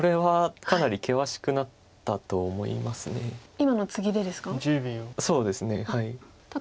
今のツギでですか？